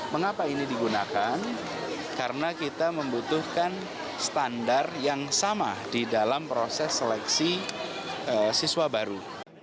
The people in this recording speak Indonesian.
mengapa ini digunakan karena kita membutuhkan standar yang sama di dalam proses seleksi siswa baru